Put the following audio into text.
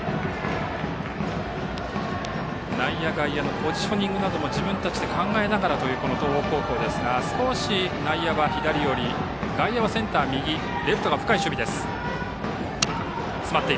内野、外野のポジショニングも自分たちで考えながらという東北高校ですが少し内野は左寄り外野はセンター右レフトが深い守備です。